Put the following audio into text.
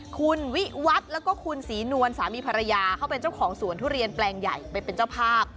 คุณวิวัฒน์แล้วก็คุณศรีนวลสามีภรรยาเขาเป็นเจ้าของสวนทุเรียนแปลงใหญ่ไปเป็นเจ้าภาพ